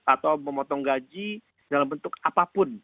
atau memotong gaji dalam bentuk apapun